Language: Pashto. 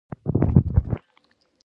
د ننني انسان معرفت د اعتبار وړ وګڼو.